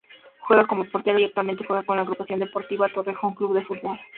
Juega como portero y actualmente juega en la Agrupación Deportiva Torrejón Club de Fútbol.